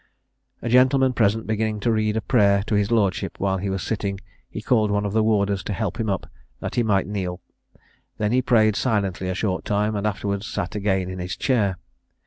A gentleman present beginning to read a prayer to his lordship while he was sitting, he called one of the warders to help him up, that he might kneel. He then prayed silently a short time, and afterwards sat again in his chair.